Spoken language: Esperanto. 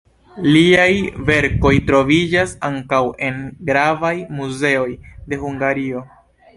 Liaj verkoj troviĝas ankaŭ en gravaj muzeoj de Hungario.